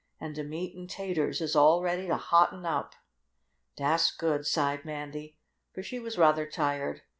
"An' de meat an' taters is all ready to hotten up." "Dass good," sighed Mandy, for she was rather tired.